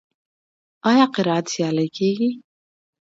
آیا قرائت سیالۍ کیږي؟